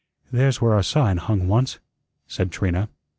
"There's where our sign hung once," said Trina.